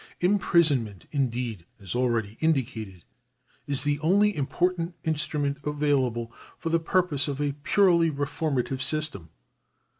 Imprisonment, indeed, as already indicated, is the only im portant instrument available for the purpose of a purely reformative system.